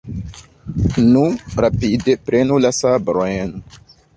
Nu, rapide, prenu la sabrojn!